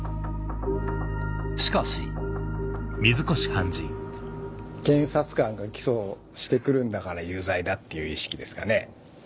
しかし検察官が起訴をして来るんだから有罪だっていう意識ですかね。